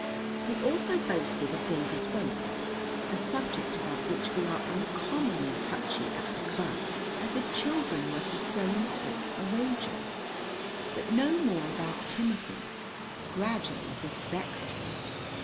He also boasted of David's weight (a subject about which we are uncommonly touchy at the club), as if children were for throwing forth for a wager. But no more about Timothy. Gradually this vexed me.